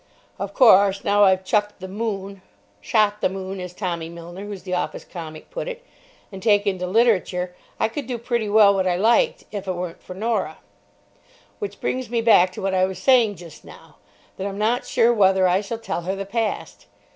Of course, now I've chucked the "Moon" ("shot the moon," as Tommy Milner, who's the office comic, put it) and taken to Literature I could do pretty well what I liked, if it weren't for Norah. Which brings me back to what I was saying just now—that I'm not sure whether I shall tell her the Past.